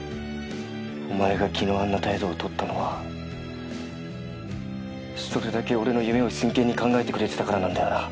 お前が昨日あんな態度を取ったのはそれだけ俺の夢を真剣に考えてくれてたからなんだよな。